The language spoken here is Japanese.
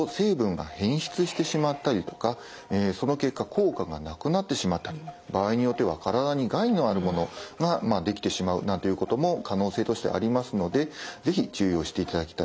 その結果効果がなくなってしまったり場合によっては体に害のあるものができてしまうなんていうことも可能性としてはありますので是非注意をしていただきたいと思います。